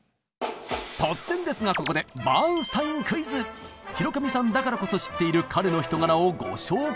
突然ですがここで広上さんだからこそ知っている彼の人柄をご紹介！